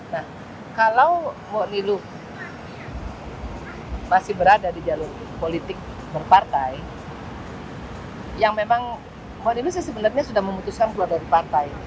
nah kalau moknilu masih berada di jalur politik berpartai yang memang moknilu sebenarnya sudah memutuskan keluar dari partai